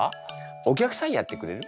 お客さんやってくれる？